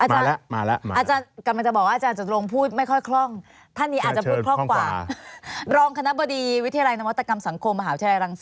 อาจารย์กำลังจะบอกว่าอาจารย์จดลง